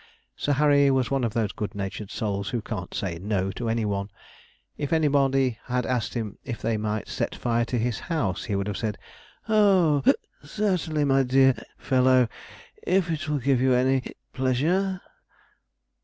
Sir Harry was one of those good natured souls who can't say 'No' to any one. If anybody had asked if they might set fire to his house, he would have said: 'Oh certainly, my dear fellow, if it will give you any pleasure.'